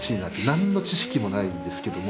何の知識もないんですけども。